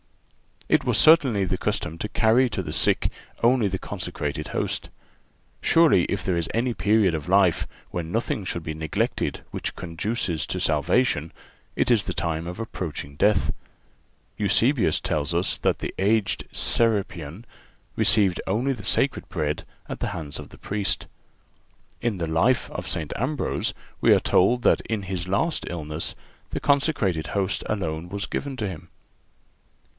It was certainly the custom to carry to the sick only the consecrated Host. Surely if there is any period of life when nothing should be neglected which conduces to salvation it is the time of approaching death. Eusebius tells us that the aged Serapion received only the Sacred Bread at the hands of the Priest. In the Life of St. Ambrose we are told that in his last illness the consecrated Host alone was given to Him.